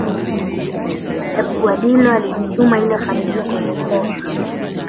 pep guardiola alijituma ili afanikiwe kwenye soka